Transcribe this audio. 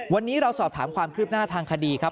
วันนี้เราสอบถามความคืบหน้าทางคดีครับ